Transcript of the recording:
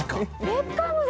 ベッカムだ！